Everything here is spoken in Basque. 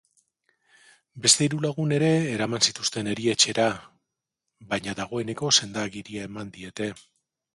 Beste hiru lagun ere eraman zituzten erietxera, baina dagoeneko senda-agiria eman diete.